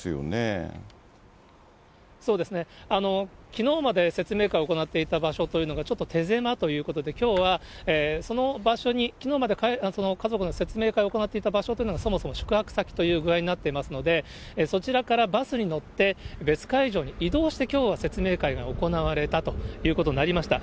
きのうまで説明会行っていた場所というのが、ちょっと手狭ということで、きょうはその場所に、きのうまで家族の説明会を行っていた場所というのが、そもそも宿泊先という具合になってますので、そちらからバスに乗って、別会場に移動して、きょうは説明会が行われたということになりました。